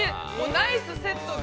ナイスセットで。